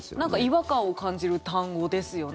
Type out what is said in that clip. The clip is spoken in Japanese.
違和感を感じる単語ですよね。